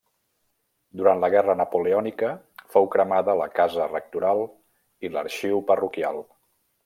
Durant la guerra napoleònica fou cremada la casa rectoral i l'arxiu parroquial.